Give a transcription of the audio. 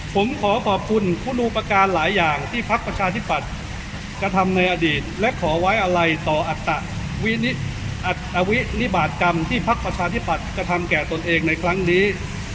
ผมขอขอบคุณคุณอุปการณ์หลายอย่างที่พักประชาธิปัตย์กระทำในอดีตและขอไว้อะไรต่ออัตวินิบาตกรรมที่พักประชาธิปัตย์กระทำแก่ตนเองในครั้งนี้